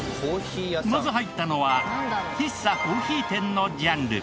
まず入ったのは喫茶・コーヒー店のジャンル。